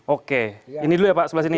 oke ini dulu ya pak sebelah sini